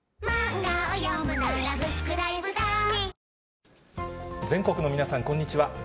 「颯」全国の皆さん、こんにちは。